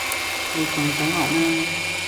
你仲使學咩